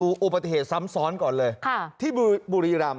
ดูโบราษีส้ำซ้อนก่อนเลยที่บุรีฬรรม